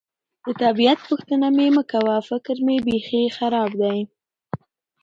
د طبیعت پوښتنه مې مه کوه، فکر مې بېخي خراب دی.